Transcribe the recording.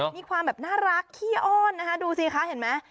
มีความแบบน่ารักขี้อ้อนนะคะดูสิคะเห็นไหม